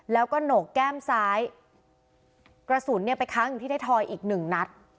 แล้วก็หนกแก้มซ้ายกระสุนไปค้างอยู่ที่ไทยทอยอีก๑นัท